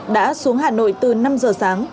đã xuống hà nội từ năm giờ sáng